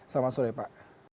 selamat sore pak